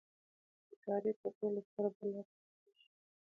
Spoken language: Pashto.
بې کاري تر ټولو ستره بلا بلل کیږي.